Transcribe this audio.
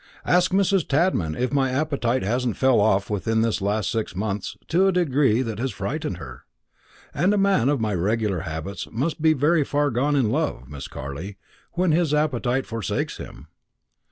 Ask Mrs. Tadman if my appetite hasn't fell off within this last six months to a degree that has frightened her; and a man of my regular habits must be very far gone in love, Miss Carley, when his appetite forsakes him.